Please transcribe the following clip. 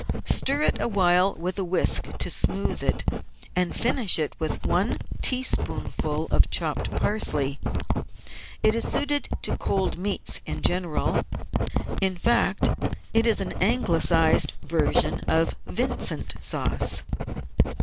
Stir it awhile with a whisk to smooth it, and finish with one teaspoonful of chopped parsley. It is suited to cold meats in general ; in fact, it is an Anglicised version of Vincent Sauce.